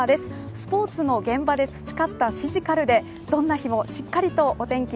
スポーツの現場で培ったフィジカルでどんな日もしっかりとお天気